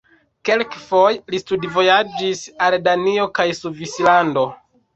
Kelkfoje li studvojaĝis al Danio kaj Svislando.